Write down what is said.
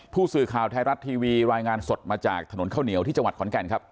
ผู้สื่อข่าวไทยรัฐทีวีรายงานสดมาจากถนนข้าวเหนียวที่จังหวัดขอนแก่นครับ